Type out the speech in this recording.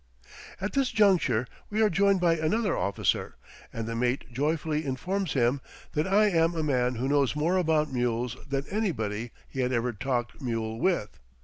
At this juncture we are joined by another officer, and the mate joyfully informs him that I am a man who knows more about mules than anybody he had ever talked mule with.